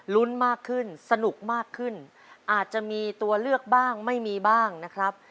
ลุ้นมากขึ้นสนุกมากขึ้นอาจจะมีตัวเลือกบ้างไม่มีบ้างนะครับ